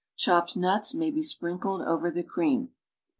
Chopped nuts may be si)rinkled over the cream.